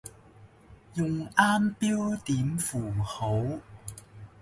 用啱標點符號